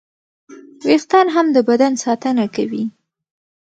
وېښتيان هم د بدن ساتنه کوي.